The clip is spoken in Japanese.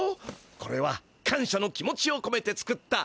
これはかんしゃの気持ちをこめて作った。